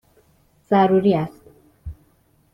ضروری است!